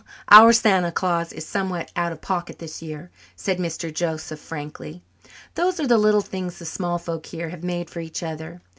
"Our Santa Claus is somewhat out of pocket this year," said Mr. Joseph frankly. "Those are the little things the small folks here have made for each other.